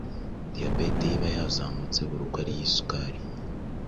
Diyabete ye iba yazamutse buri uko ariye isukari